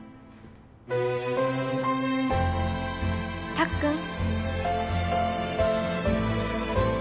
たっくん。